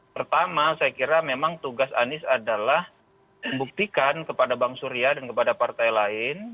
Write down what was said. pertama saya kira memang tugas anies adalah membuktikan kepada bang surya dan kepada partai lain